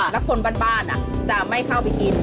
แล้วคนบ้านจะไม่เข้าไปกิน